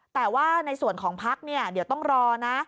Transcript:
แต่ว่าในส่วนของพักเนี่ยเดี๋ยวต้องรอนะ